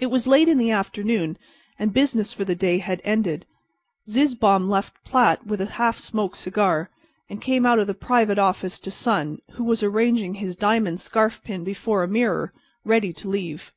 It was late in the afternoon and business for the day had ended, Zizzbaum left Platt with a half smoked cigar, and came out of the private office to Son, who was arranging his diamond scarfpin before a mirror, ready to leave.